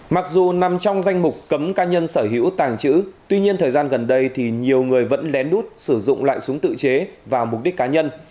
mặc dù nằm trong danh mục cấm cá nhân sở hữu tàng trữ tuy nhiên thời gian gần đây thì nhiều người vẫn lén lút sử dụng lại súng tự chế vào mục đích cá nhân